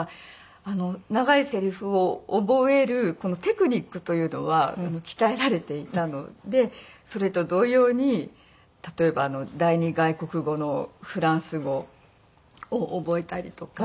長いセリフを覚えるテクニックというのは鍛えられていたのでそれと同様に例えば第二外国語のフランス語を覚えたりとか。